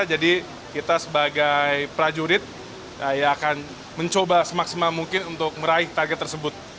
jadi kita sebagai prajurit akan mencoba semaksimal mungkin untuk meraih target tersebut